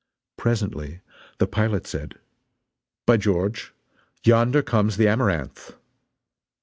Presently the pilot said: "By George, yonder comes the Amaranth!"